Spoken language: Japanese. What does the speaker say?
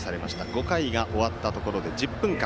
５回が終わったところで１０分間。